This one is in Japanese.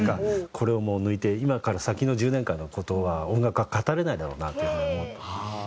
これを抜いて今から先の１０年間の事は音楽は語れないだろうなという風に思って。